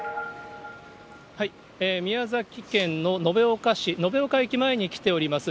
宮崎県の延岡市、延岡駅前に来ております。